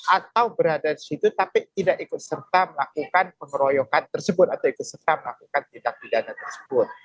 atau berada di situ tapi tidak ikut serta melakukan pengeroyokan tersebut atau ikut serta melakukan tindak pidana tersebut